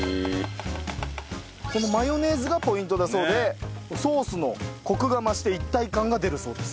このマヨネーズがポイントだそうでソースのコクが増して一体感が出るそうです。